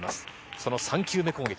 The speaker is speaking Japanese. その３球目攻撃。